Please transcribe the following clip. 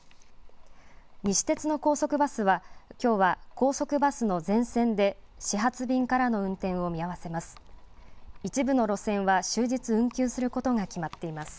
西鉄の高速バスは、きょうは高速バスの全線で始発便からの運転を見合わせます。